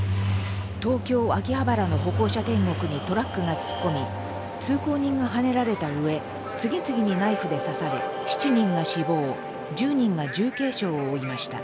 東京・秋葉原の歩行者天国にトラックが突っ込み通行人がはねられたうえ次々にナイフで刺され７人が死亡１０人が重軽傷を負いました。